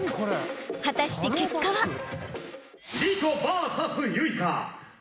［果たして結果は！？］